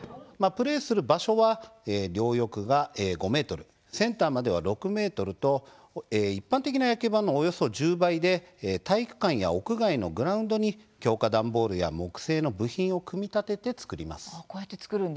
プレーする場所は両翼が５ｍセンターまでが６ｍと一般的な野球盤のおよそ１０倍で体育館や屋外のグラウンドに強化段ボールや木製の部品を組み立てて作ります。